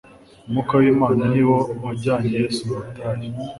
Umwuka w'Imana ni wo wajyanye Yesu mu butayu,